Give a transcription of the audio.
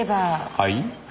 はい？